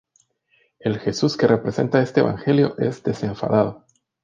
El Jesús que presenta este evangelio es desenfadado.